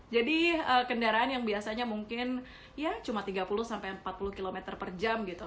jadi kendaraan yang biasanya mungkin ya cuma tiga puluh empat puluh km per jam gitu